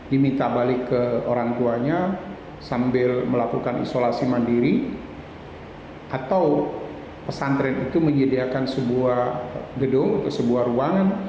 diminta balik ke orang tuanya sambil melakukan isolasi mandiri atau pesantren itu menyediakan sebuah gedung atau sebuah ruangan